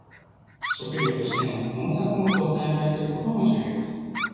食糧としての農作物を栽培することも重要です。